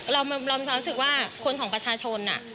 เรามีความรู้สึกว่าคนของประชาชน